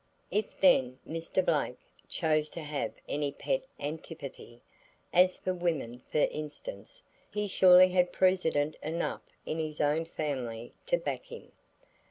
If then Mr. Blake chose to have any pet antipathy as for women for instance he surely had precedent enough in his own family to back him.